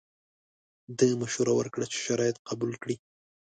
ده مشوره ورکړه چې شرایط قبول کړي.